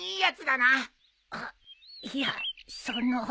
あっいやその。